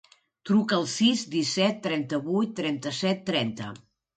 Truca al sis, disset, trenta-vuit, trenta-set, trenta.